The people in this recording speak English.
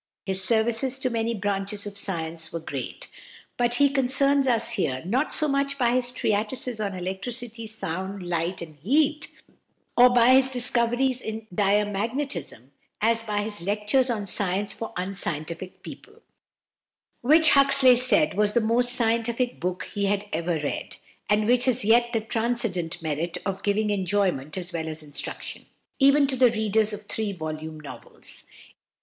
His services to many branches of science were great; but he concerns us here not so much by his treatises on electricity, sound, light, and heat, or by his discoveries in diamagnetism, as by his "Lectures on Science for Unscientific People," which, Huxley said, was the most scientific book he had ever read, and which has yet the transcendent merit of giving enjoyment as well as instruction, even to the readers of three volume novels.